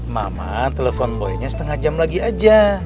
mama telepon poinnya setengah jam lagi aja